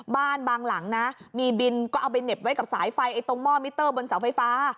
บางหลังนะมีบินก็เอาไปเหน็บไว้กับสายไฟตรงหม้อมิเตอร์บนเสาไฟฟ้า